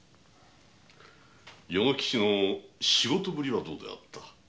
与之吉の仕事ぶりはどうであった？